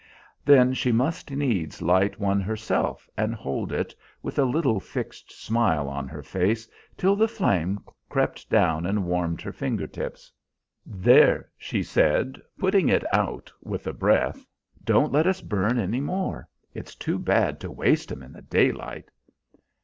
Then she must needs light one herself and hold it, with a little fixed smile on her face, till the flame crept down and warmed her finger tips. "There," she said, putting it out with a breath, "don't let us burn any more. It's too bad to waste 'em in the daylight."